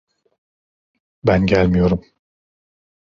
Ben gelmiyorum.